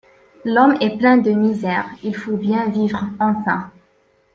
L'homme est plein de misère. Il faut bien vivre enfin !